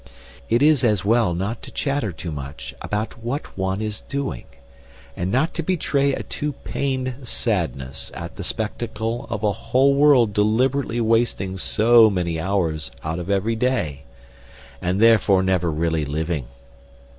It is as well not to chatter too much about what one is doing, and not to betray a too pained sadness at the spectacle of a whole world deliberately wasting so many hours out of every day, and therefore never really living.